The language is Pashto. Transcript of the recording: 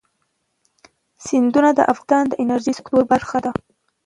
سیندونه د افغانستان د انرژۍ سکتور برخه ده.